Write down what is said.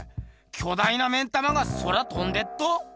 巨大な目ん玉が空とんでっと。